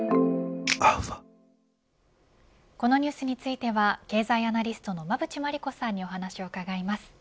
このニュースについては経済アナリストの馬渕磨理子さんにお話を伺います。